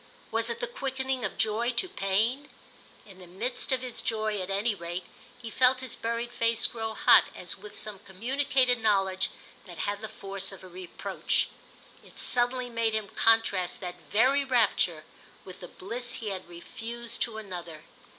Was it the quickening of joy to pain? In the midst of his joy at any rate he felt his buried face grow hot as with some communicated knowledge that had the force of a reproach. It suddenly made him contrast that very rapture with the bliss he had refused to another.